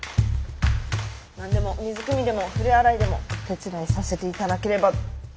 何でも水くみでも筆洗いでもお手伝いさせていただければ。